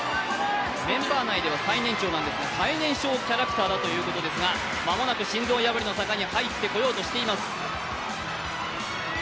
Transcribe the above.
メンバー内では最年長なんですが最年少キャラクターということですが間もなく心臓破りの坂に入ってこようとしています。